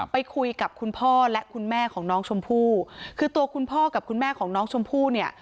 ไปคุยกับคุณพ่อและคุณแม่ของน้องชมพู่คือตัวคุณพ่อกับคุณแม่ของน้องชมพู่เนี่ย